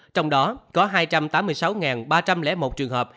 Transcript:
trong đó có hai trăm tám mươi sáu ba trăm linh một trường hợp